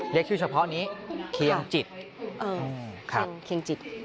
เรียกชื่อเฉพาะนี้เคียงจิต